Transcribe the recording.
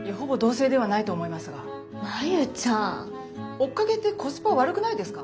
追っかけってコスパ悪くないですか？